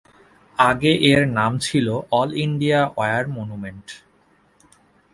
আগে এর নাম ছিল "অল ইন্ডিয়া ওয়ার মনুমেন্ট"।